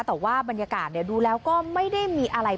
แต่ว่าบรรยากาศดูแล้วก็ไม่ได้มีอะไร